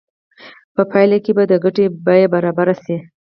په پایله کې به د ګټې بیه برابره شي